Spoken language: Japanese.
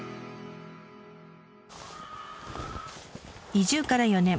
移住から４年。